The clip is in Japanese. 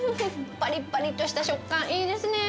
ぱりぱりとした食感、いいですね。